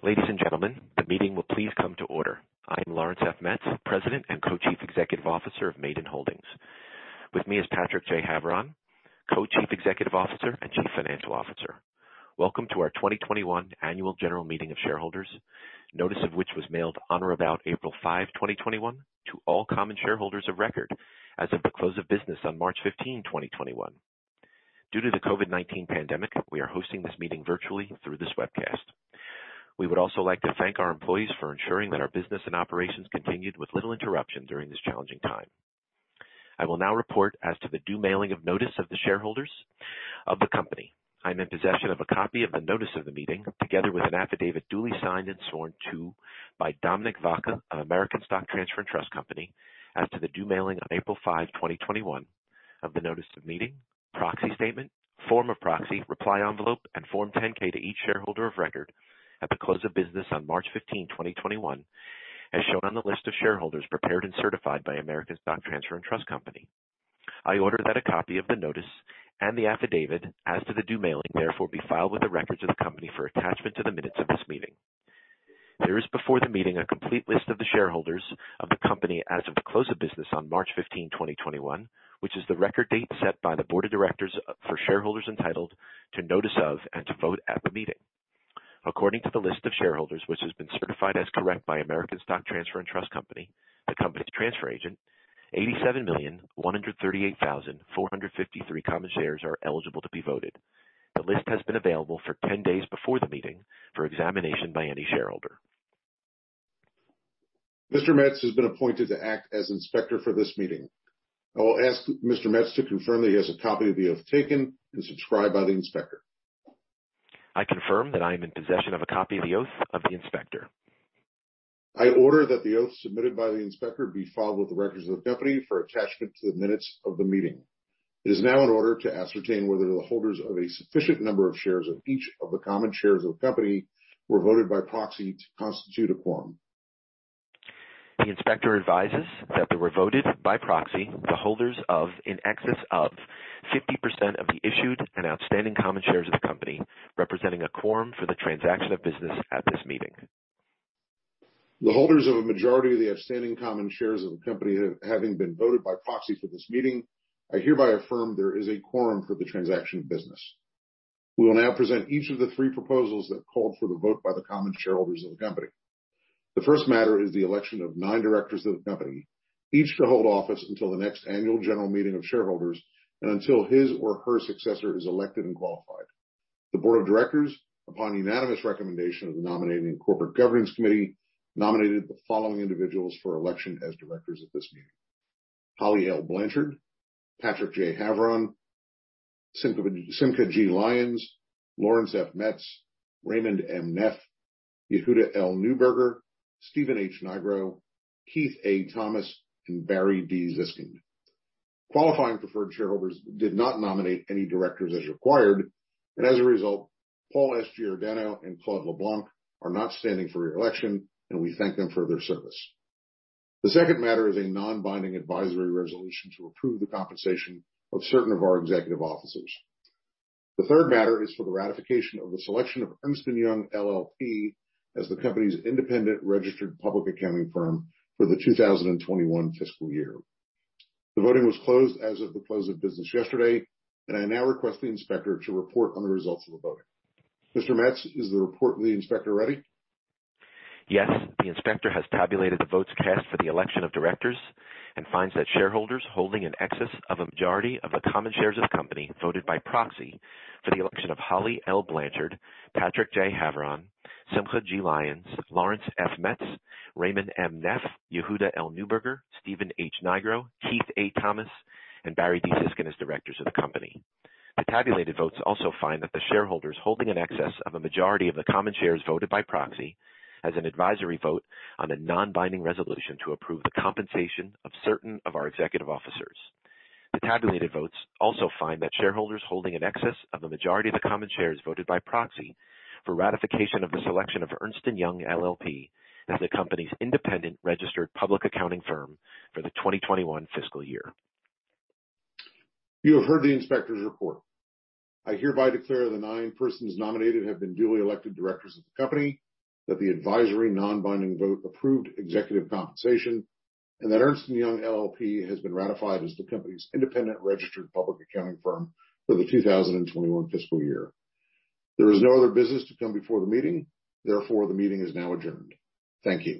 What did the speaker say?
Ladies and gentlemen, the meeting will please come to order. I am Lawrence F. Metz, President and Co-Chief Executive Officer of Maiden Holdings. With me is Patrick J. Haveron, Co-Chief Executive Officer and Chief Financial Officer. Welcome to our 2021 Annual General Meeting of Shareholders, notice of which was mailed on or about April 5, 2021, to all common shareholders of record as of the close of business on March 15, 2021. Due to the COVID-19 pandemic, we are hosting this meeting virtually through this webcast. We would also like to thank our employees for ensuring that our business and operations continued with little interruption during this challenging time. I will now report as to the due mailing of notice of the shareholders of the company. I'm in possession of a copy of the notice of the meeting, together with an affidavit duly signed and sworn to by Dominic Vaca of American Stock Transfer & Trust Company, as to the due mailing on April 5, 2021, of the notice of meeting, proxy statement, form of proxy, reply envelope, and Form 10-K to each shareholder of record at the close of business on March 15, 2021, as shown on the list of shareholders prepared and certified by American Stock Transfer & Trust Company. I order that a copy of the notice and the affidavit as to the due mailing therefore be filed with the records of the company for attachment to the minutes of this meeting. There is before the meeting a complete list of the shareholders of the company as of the close of business on March 15, 2021, which is the record date set by the board of directors for shareholders entitled to notice of and to vote at the meeting. According to the list of shareholders, which has been certified as correct by American Stock Transfer & Trust Company, the company's transfer agent, 87,138,453 common shares are eligible to be voted. The list has been available for 10 days before the meeting for examination by any shareholder. Mr. Metz has been appointed to act as inspector for this meeting. I will ask Mr. Metz to confirm that he has a copy of the oath taken and subscribed by the inspector. I confirm that I am in possession of a copy of the oath of the inspector. I order that the oath submitted by the inspector be filed with the records of the company for attachment to the minutes of the meeting. It is now in order to ascertain whether the holders of a sufficient number of shares of each of the common shares of the company were voted by proxy to constitute a quorum. The inspector advises that there were voted by proxy the holders of in excess of 50% of the issued and outstanding common shares of the company, representing a quorum for the transaction of business at this meeting. The holders of a majority of the outstanding common shares of the company, having been voted by proxy for this meeting, I hereby affirm there is a quorum for the transaction of business. We will now present each of the three proposals that called for the vote by the common shareholders of the company. The first matter is the election of nine directors of the company, each to hold office until the next annual general meeting of shareholders and until his or her successor is elected and qualified. The board of directors, upon unanimous recommendation of the Nominating and Corporate Governance Committee, nominated the following individuals for election as directors at this meeting. Holly L. Blanchard, Patrick J. Haveron, Simcha G. Lyons, Lawrence F. Metz, Raymond M. Neff, Yehuda L. Neuberger, Steven H. Nigro, Keith A. Thomas, and Barry D. Zyskind. Qualifying preferred shareholders did not nominate any directors as required, and as a result, Paul S. Giordano and Claude LeBlanc are not standing for reelection, and we thank them for their service. The second matter is a non-binding advisory resolution to approve the compensation of certain of our executive officers. The third matter is for the ratification of the selection of Ernst & Young LLP as the company's independent registered public accounting firm for the 2021 fiscal year. The voting was closed as of the close of business yesterday, and I now request the inspector to report on the results of the voting. Mr. Metz, is the report of the inspector ready? Yes. The inspector has tabulated the votes cast for the election of directors and finds that shareholders holding in excess of a majority of the common shares of the company voted by proxy for the election of Holly L. Blanchard, Patrick J. Haveron, Simcha G. Lyons, Lawrence F. Metz, Raymond M. Neff, Yehuda L. Neuberger, Steven H. Nigro, Keith A. Thomas, and Barry D. Zyskind as directors of the company. The tabulated votes also find that the shareholders holding in excess of a majority of the common shares voted by proxy as an advisory vote on a non-binding resolution to approve the compensation of certain of our executive officers. The tabulated votes also find that shareholders holding in excess of the majority of the common shares voted by proxy for ratification of the selection of Ernst & Young LLP as the company's independent registered public accounting firm for the 2021 fiscal year. You have heard the inspector's report. I hereby declare the nine persons nominated have been duly elected directors of the company, that the advisory non-binding vote approved executive compensation, and that Ernst & Young LLP has been ratified as the company's independent registered public accounting firm for the 2021 fiscal year. There is no other business to come before the meeting. Therefore, the meeting is now adjourned. Thank you.